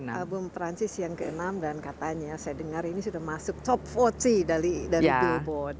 album perancis yang ke enam dan katanya saya dengar ini sudah masuk top empat puluh dari billboard